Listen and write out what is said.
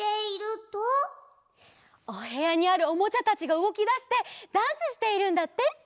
おへやにあるおもちゃたちがうごきだしてダンスしているんだって！